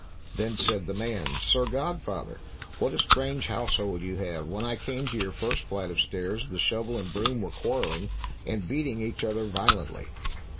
Then said the man, "Sir godfather, what a strange household you have! When I came to your first flight of stairs, the shovel and broom were quarreling, and beating each other violently."